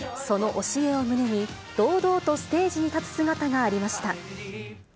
その教えを胸に、堂々とステージに立つ姿がありました。